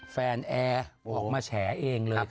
แฟนแอร์ออกมาแฉะเองเลยค่ะ